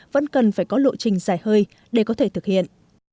vẫn cần phải có lộ trình dài hơi để có thể thực hiện